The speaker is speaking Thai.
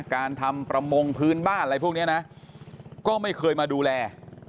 การทำประมงพื้นบ้านอะไรพวกนี้นะก็ไม่เคยมาดูแล